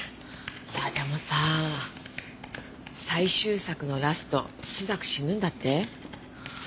いやでもさ最終作のラスト朱雀死ぬんだって？